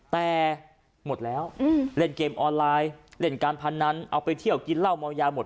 แต่หมดแล้วเล่นเกมออนไลน์เล่นการพนันเอาไปเที่ยวกินเหล้าเมายาหมด